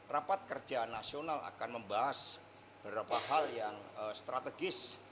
rapat kerja nasional akan membahas beberapa hal yang strategis